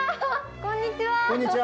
こんにちは。